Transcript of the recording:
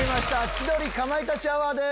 『千鳥かまいたちアワー』です。